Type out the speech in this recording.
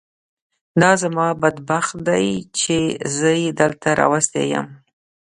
دا زما بد بخت دی چې زه یې دلته راوستی یم.